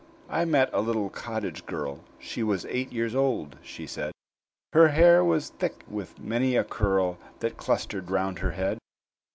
I met a little cottage girl: She was eight years old, she said; Her hair was thick with many a curl That clustered round her head.